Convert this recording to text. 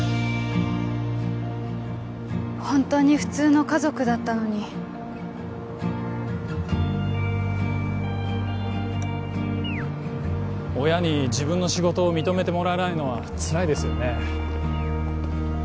本当に普通の家族だったのに親に自分の仕事を認めてもらえないのはつらいですよね